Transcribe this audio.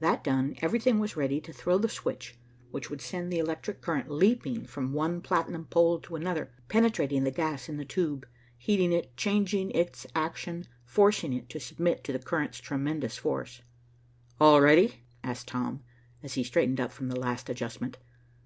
That done, everything was ready to throw the switch which would send the electric current leaping from one platinum pole to another, penetrating the gas in the tube, heating it, changing its action, forcing it to submit to the current's tremendous force. "All ready?" asked Tom, as he straightened up from the last adjustment.